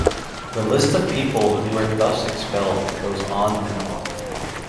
The list of people who were thus expelled goes on and on.